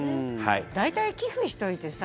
大体、寄付しといてさ